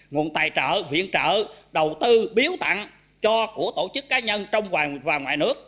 nguồn tài trợ viện trợ đầu tư biếu tặng cho của tổ chức cá nhân trong và ngoài nước